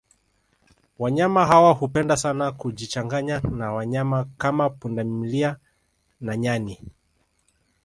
Wanyama hawa hupenda sana kujichanganya na wanyama kama pundamlia na nyani